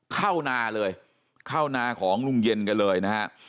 เข้านาเลยเข้านาของลุงเย็นกันเลยนะฮะ